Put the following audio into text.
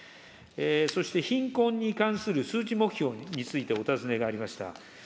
そして、貧困に関する数値目標について、お尋ねがありました。